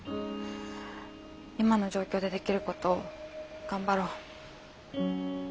今の状況でできることを頑張ろう。